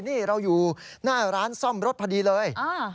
นี่เราอยู่หน้าร้านซ่อมรถพอดีเลย